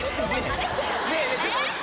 ちょっと待って！